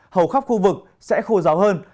hầu khắp khu vực sẽ khô ráo hơn